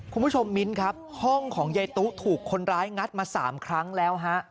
คุณผู้ชมมิ้นครับห้องของยายตู้ถูกคนร้ายงัดมาสามครั้งแล้วฮะ